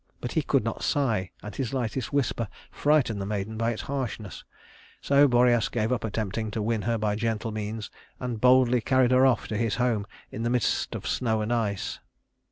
But he could not sigh, and his lightest whisper frightened the maiden by its harshness; so Boreas gave up attempting to win her by gentle means and boldly carried her off to his home in the midst of snow and ice.